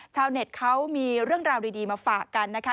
ชาวเน็ตเขามีเรื่องราวดีมาฝากกันนะคะ